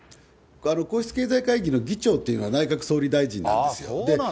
皇室経済会議の議長っていうのは内閣総理大臣なんですよ。